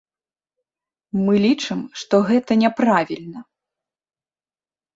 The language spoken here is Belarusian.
Мы лічым, што гэта няправільна.